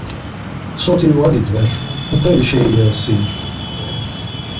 Soti va didver, muperi şei re si!